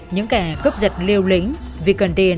những kẻ cướp giật liều lĩnh vì cướp giật liều lĩnh